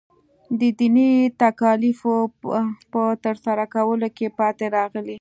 د دیني تکالیفو په ترسره کولو کې پاتې راغلی.